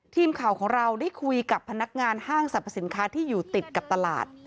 ทีมข่าวของเราได้คุยกับพนักงานห้างสรรพสินค้าที่อยู่ติดกับตลาด